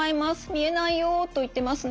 見えないよと言ってますね。